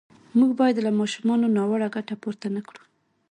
موږ باید له ماشومانو ناوړه ګټه پورته نه کړو.